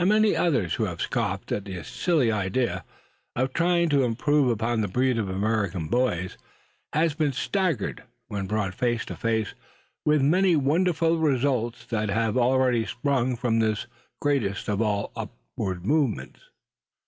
And many another who has scoffed at the silly idea of trying to improve upon the breed of American boys, has been staggered when brought face to face with many wonderful results that have already sprung from this greatest of all upward movements.